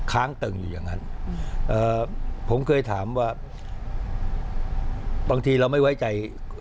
ค้างตึงอยู่อย่างนั้นผมเคยถามว่าบางทีเราไม่ไว้ใจ